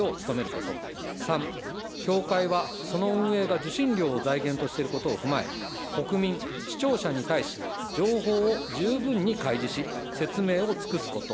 ３、協会はその運営が受信料を財源としていることを踏まえ、国民、視聴者に対し、情報を十分に開示し、説明を尽くすこと。